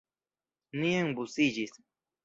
Ni enbusiĝis.